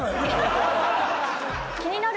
気になる。